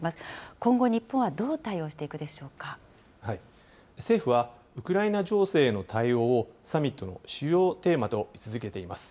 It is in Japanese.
今後、日本はどう対応していくで政府はウクライナ情勢への対応をサミットの主要テーマと位置づけています。